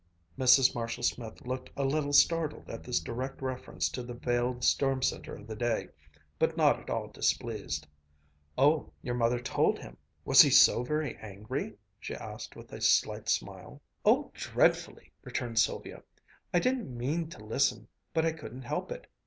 Mrs. Marshall Smith looked a little startled at this direct reference to the veiled storm center of the day, but not at all displeased. "Oh, your mother told him? Was he so very angry?" she asked with a slight smile. "Oh, dreadfully!" returned Sylvia. "I didn't mean to listen, but I couldn't help it.